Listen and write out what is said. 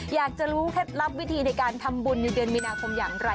อยากจะรู้เคล็ดลับวิธีในการทำบุญในเดือนมีนาคมอย่างไร